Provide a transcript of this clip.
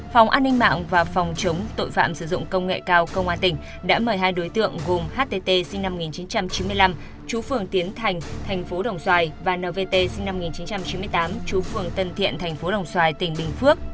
phòng an ninh mạng và phòng chống tội phạm sử dụng công nghệ cao công an tỉnh đã mời hai đối tượng gồm htt sinh năm một nghìn chín trăm chín mươi năm chú phường tiến thành thành phố đồng xoài và nvt sinh năm một nghìn chín trăm chín mươi tám chú phường tân thiện thành phố đồng xoài tỉnh bình phước